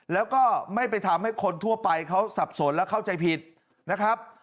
แล้วก็ไม่ไปทำให้คนทั่วไปเขาสับสนและเข้าใจผิดนะครับ